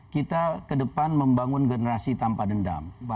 kita kedepan membangun generasi tanpa dendam